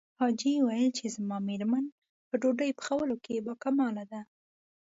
يوه حاجي ويل چې زما مېرمن په ډوډۍ پخولو کې باکماله ده.